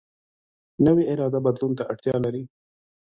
نوې اراده بدلون ته اړتیا لري